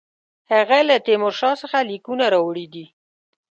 هغه له تیمورشاه څخه لیکونه راوړي دي.